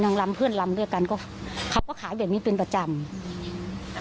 ลำลำเพื่อนลำด้วยกันก็เขาก็ขายแบบนี้เป็นประจำอืม